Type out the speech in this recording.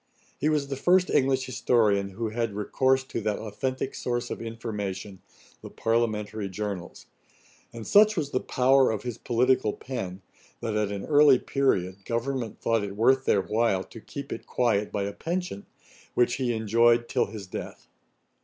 He was the first English historian who had recourse to that authentick source of information, the Parliamentary Journals; and such was the power of his political pen, that, at an early period, Government thought it worth their while to keep it quiet by a pension, which he enjoyed till his death.